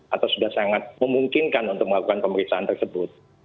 atau sudah sangat memungkinkan untuk melakukan pemeriksaan tersebut